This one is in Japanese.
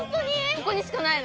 ここにしかないの？